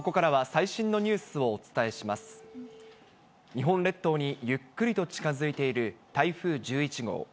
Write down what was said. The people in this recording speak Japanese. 日本列島にゆっくりと近づいている台風１１号。